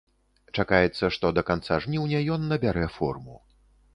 Чакаецца, што да канца жніўня ён набярэ форму.